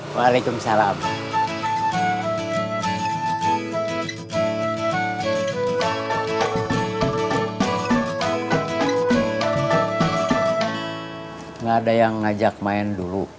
waalaikumsalam ada yang ngajak main dulu